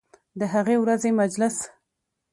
د هغې ورځې مجلس